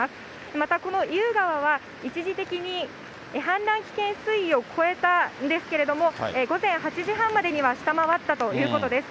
また、この意宇川は一時的に氾濫危険水位を超えたんですけれども、午前８時半までには下回ったということです。